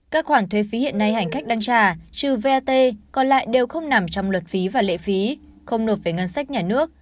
các khoản thuế phí hiện nay hành khách đang trả trừ vat còn lại đều không nằm trong luật phí và lệ phí không nộp về ngân sách nhà nước